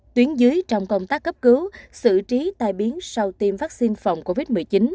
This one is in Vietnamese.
tuyến dưới trong công tác cấp cứu xử trí tai biến sau tiêm vaccine phòng covid một mươi chín